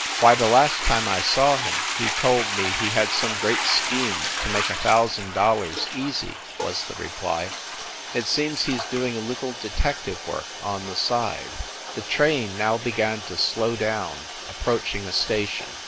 "Why, the last time I saw him, he told me he had some great scheme to make a thousand dollars easy," was the reply. "It seems he s doing a little detective work, on the side." The train now began to slow down, approaching a station.